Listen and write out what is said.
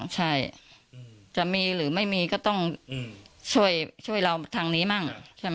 ใช่จะมีหรือไม่มีก็ต้องช่วยเราทางนี้มั่งใช่ไหม